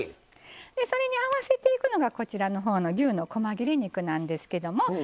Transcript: それにあわせていくのが牛のこま切れ肉なんですけど。